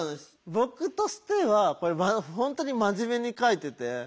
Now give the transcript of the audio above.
僕としては本当に真面目に書いてて。